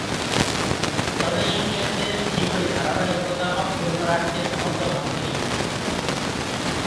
তবে ইংল্যান্ডে ঠিকই ধারাবাহিকতা অক্ষুণ্ণ রাখতে সমর্থ হন তিনি।